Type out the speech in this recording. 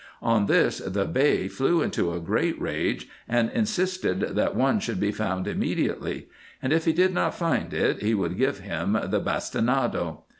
On this the Bey flew into a great rage, and insisted that one should be found immediately ; and, if he did not find it, he would give him the bastinado.